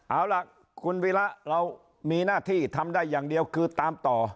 เอาล่ะคุณวิระเรามีหน้าที่ทำได้อย่างเดียวคือตามต่อ